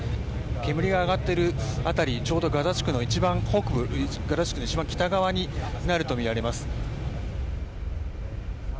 煙が上がっている辺りちょうどガザ地区の一番北部、ガザ地区の一番北側になるとみられます。